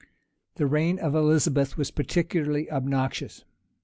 The reign of Elizabeth was particularly obnoxious.